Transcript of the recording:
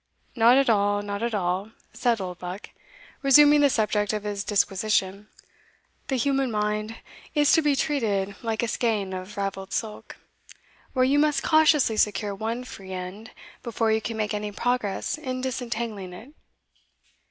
"Not at all, not at all," said Oldbuck, resuming the subject of his disquisition "the human mind is to be treated like a skein of ravelled silk, where you must cautiously secure one free end before you can make any progress in disentangling it."